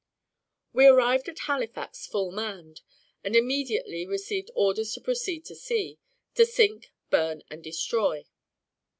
We arrived at Halifax full manned, and immediately received orders to proceed to sea, "to sink, burn, and destroy."